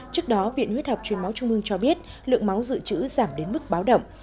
trước đó viện huyết học truyền máu trung ương cho biết lượng máu dự trữ giảm đến mức báo động